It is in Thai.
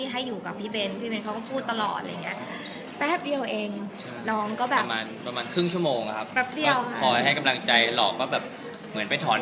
ให้อยู่กับพี่เบนเขาก็พูดตลอดอะไรอย่างเงี้ย